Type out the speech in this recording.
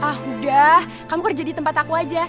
ah udah kamu kerja di tempat aku aja